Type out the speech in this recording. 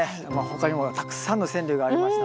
他にもたくさんの川柳がありました。